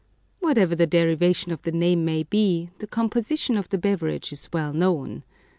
Whatever the derivation of the name may be, the composition of the beverage is well known.